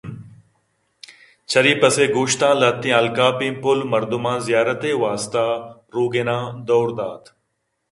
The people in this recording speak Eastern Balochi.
چرے پس ءِ گوشتاں لہتیں الکاپیں پُل مردماں زیارت ءِ واستہ روغناں دئور دات